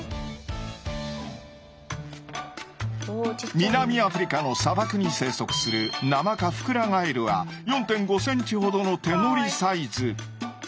南アフリカの砂漠に生息するナマカフクラガエルは４．５センチほどの手のりサイズ。